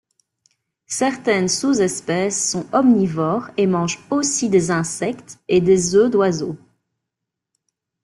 Certaines sous-espèces sont omnivores et mangent aussi des insectes et des œufs d'oiseaux.